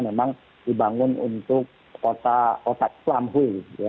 memang dibangun untuk kota islam hui